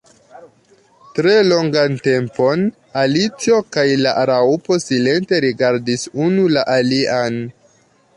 Tre longan tempon Alicio kaj la Raŭpo silente rigardis unu la alian.